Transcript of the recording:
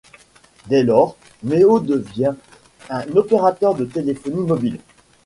Dès lors, Meo devient un opérateur de téléphonie mobile.